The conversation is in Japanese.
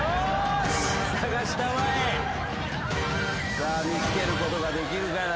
さあ見つけることができるかな？